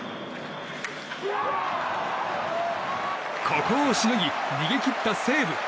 ここをしのぎ、逃げ切った西武。